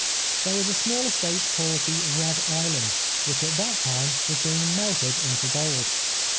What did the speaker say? There was a small estate called the Red Island which at that time was being melted into gold.